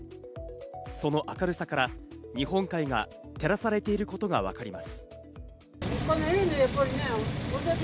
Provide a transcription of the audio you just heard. その明るさから日本海が照らされていることがわかります。